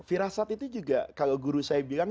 firasat itu juga kalau guru saya bilang